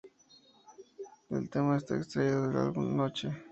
El tema está extraído del álbum Noche.